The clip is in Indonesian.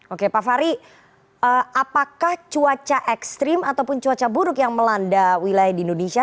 oke pak fahri apakah cuaca ekstrim ataupun cuaca buruk yang melanda wilayah di indonesia